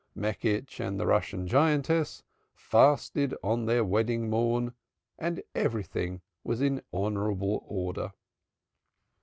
Meckisch and the Russian giantess fasted on their wedding morn and everything was in honorable order.